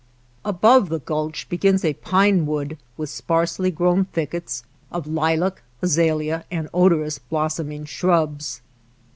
Above the Gulch begins a pine wood with sparsely 109 '> JIMVILLE grown thickets of lilac, azalea, and odorous blossoming shrubs.